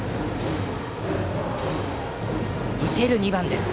打てる２番です。